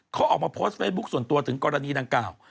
เขาออกมาโพสต์เฟซบุ๊คส่วนตัวถึงกรณีดังกล่าว